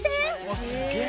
わっすげえ！